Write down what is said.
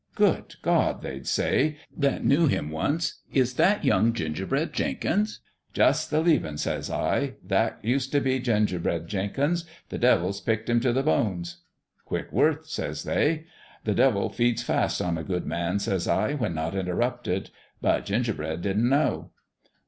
"' Good God !' they'd say, that knew him once, ' is that young Gingerbread Jenkins ?'"' Jus' the leavin's,' says I. 'That used t' be Gingerbread Jenkins. The devil's picked him t' the bones.' "' Quick work,' says they. " 'The devil feeds fast on a good man/ says I, ' when not interrupted.' " But Gingerbread didn't know.